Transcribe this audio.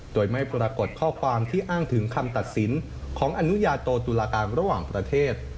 โดยไม่ปรากฏข้อความที่อ้างถึงคำตัดสินของอนุญาโตตุลาการระหว่างประเทศ